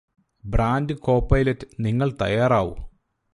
brand copilot നിങ്ങള് തയ്യാറാവു